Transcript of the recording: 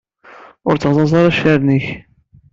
Ur tteɣẓaẓ ara accaren-ik.